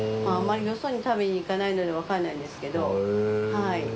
まぁあまりよそに食べに行かないのでわからないんですけどはい。